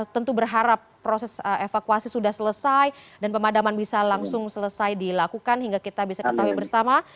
tentu berharap proses evakuasi sudah selesai dan pemadaman bisa langsung selesai dilakukan hingga kita bisa ketahui bersama